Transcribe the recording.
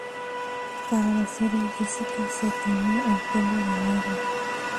Para la serie Jessica se tiñó el pelo de negro.